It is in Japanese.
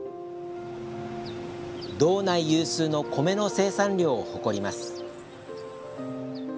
道内有数の米の生産量を誇ります。